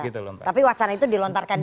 tapi wacana itu dilontarkan dulu ya